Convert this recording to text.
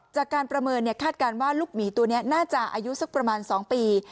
จากการประเมินคาดการณ์ว่าลูกหมีตัวนี้น่าจะอายุสักประมาณ๒ปี